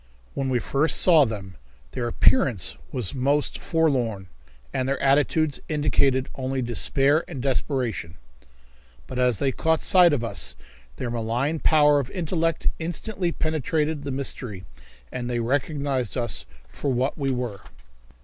When we first saw them their appearance was most forlorn, and their attitudes indicated only despair and desperation, but as they caught sight of us their malign power of intellect instantly penetrated the mystery, and they recognized us for what we were.